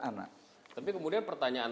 anak tapi kemudian pertanyaan